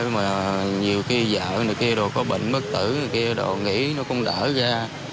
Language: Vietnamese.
mà nhiều khi vợ này kia đồ có bệnh mất tử kia đồ nghỉ nó cũng đỡ ra